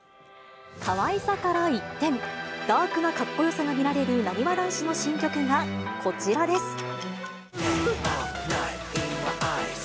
かわいさから一転、ダークなかっこよさが見られるなにわ男子の新曲がこちらです。